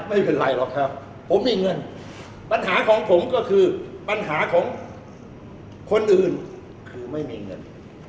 ไม่เป็นไรหรอกครับผมมีเงินปัญหาของผมก็คือปัญหาของคนอื่นคือไม่มีเงิน